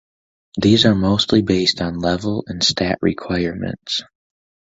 These are mostly based on level and stat requirements.